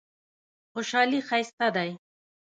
خوشحالي ښایسته دی.